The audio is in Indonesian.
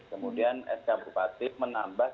kemudian sk bupati menambah